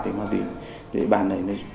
thì mà vì địa bàn này